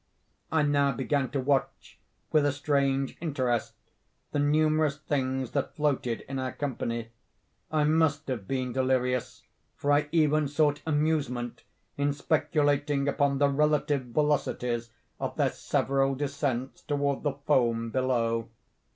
I now began to watch, with a strange interest, the numerous things that floated in our company. I must have been delirious, for I even sought amusement in speculating upon the relative velocities of their several descents toward the foam below.